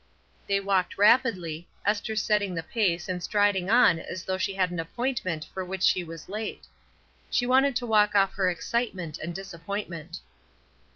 They walked rapidly; Esther setting the pace and striding on as though she had an appoint ment for which she was late. She wanted to walk off her excitement and disappointment.